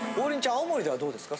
青森ではどうですか？